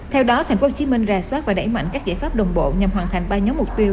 theo đó tp hcm ra soát và đẩy mạnh các giải pháp đồng bộ nhằm hoàn thành ba nhóm mục tiêu